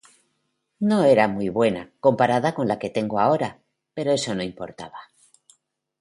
No era muy buena, comparada con la que tengo ahora, pero eso no importaba.